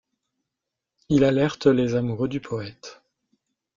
Il alerte les amoureux du poète.